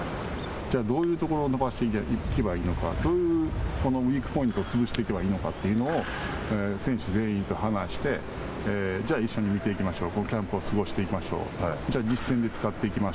じゃあ、どういうところを伸ばしていけばいいのかどういうウイークポイントを潰していけばいいのかというのを選手全員と話してじゃあ、一緒に見ていきましょうキャンプを過ごしていきましょう。